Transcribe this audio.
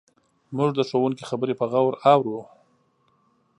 موږ د ښوونکي خبرې په غور اورو.